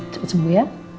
cepat sembuh ya